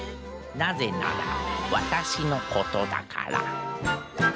なぜならわたしのことだから。